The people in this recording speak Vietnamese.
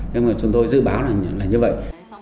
nhưng mà chúng tôi dự báo là như vậy